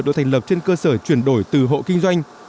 được thành lập trên cơ sở chuyển đổi từ hộ kinh doanh